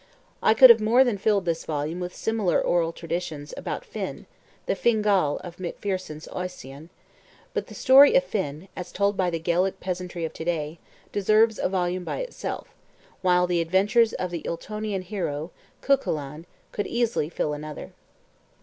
I could have more than filled this volume with similar oral traditions about Finn (the Fingal of Macpherson's "Ossian"). But the story of Finn, as told by the Gaelic peasantry of to day, deserves a volume by itself, while the adventures of the Ultonian hero, Cuchulain, could easily fill another.